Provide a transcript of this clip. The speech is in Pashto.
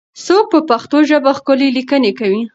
څوک په پښتو ژبه ښکلې لیکنې کوي؟